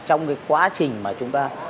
trong quá trình mà chúng ta